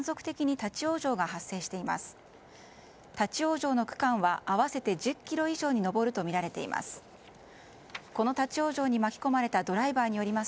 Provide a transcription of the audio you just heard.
立ち往生の区間は合わせて１０ｋｍ以上に上るとみられています。